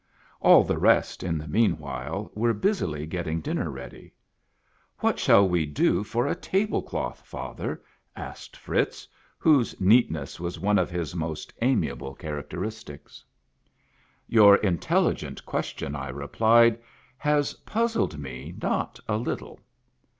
All the rest, in the mean while, were busily getting dinner ready. " What shall we do for a table cloth, father? " asked Fritz, whose neatness was one of his most amiable characteristics. "Your intelligent question," I replied, "has puz zled me not a little."